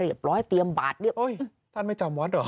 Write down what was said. เหลี่ยบรอยเตรียมบาทอ้ยท่านไม่จำวัดหรอ